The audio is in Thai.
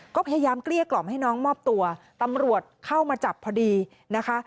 ก็พยายามเกลี้ยกล่อมให้น้องมอบตัวตำรวจเข้ามาจับพอดีนะคะ